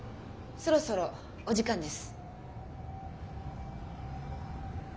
そろそろお時間です。